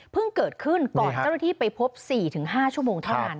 เกิดขึ้นก่อนเจ้าหน้าที่ไปพบ๔๕ชั่วโมงเท่านั้น